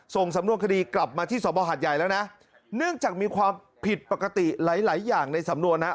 ส่งสำนวนคดีกลับมาที่สบหาดใหญ่แล้วนะเนื่องจากมีความผิดปกติหลายหลายอย่างในสำนวนนะ